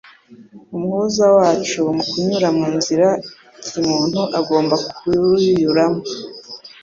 Umuhuza wacu, mu kunyura mu nzira Kiimuntu agomba kuruyuramo,